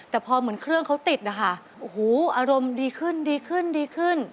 แต่พอเหมือนเครื่องเขาติดนะคะอารมณ์ดีขึ้น